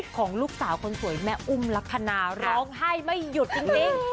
ของลูกสาวคนสวยแม่อุ้มลักษณะร้องไห้ไม่หยุดจริง